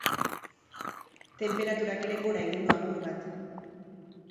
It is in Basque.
Tenperaturak ere gora egingo du apur bat.